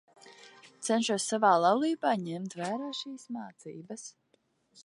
Cenšos savā laulībā ņemt vērā šīs mācības.